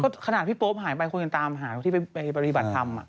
ก็ขนาดพี่โป๊ปหายไปคนกันตามหาที่ไปบริบัติธรรม